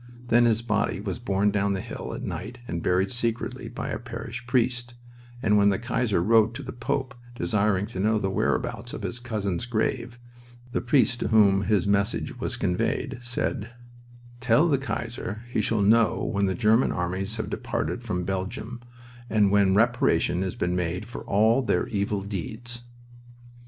Then his body was borne down the hill at night and buried secretly by a parish priest; and when the Kaiser wrote to the Pope, desiring to know the whereabouts of his cousin's grave, the priest to whom his message was conveyed said, "Tell the Kaiser he shall know when the German armies have departed from Belgium and when reparation has been made for all their evil deeds."